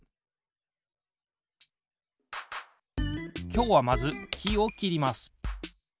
きょうはまずきをきります。